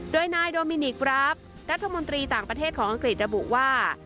โดยนายโดมินิกกราฟรัฐมนตรีต่างประเทศของอังกฤษระบุว่า